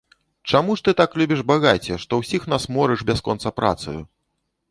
Чаму ж ты так любіш багацце, што ўсіх нас морыш бясконца працаю?